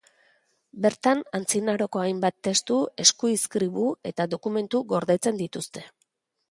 Bertan, antzinaroko hainbat testu, eskuizkribu eta dokumentu gordetzen dituzte.